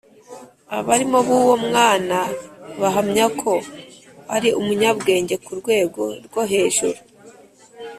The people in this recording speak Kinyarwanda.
abarimi b’uwo mwana bahamya ko ari umunyabwenge ku rwego rwo hejuru